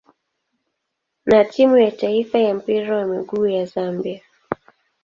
na timu ya taifa ya mpira wa miguu ya Zambia.